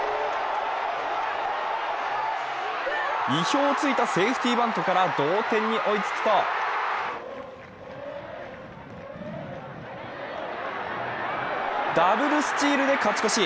意表を突いたセーフティバントから同点に追いつくとダブルスチールで勝ち越し。